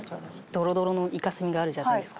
ドロドロのイカ墨があるじゃないですか。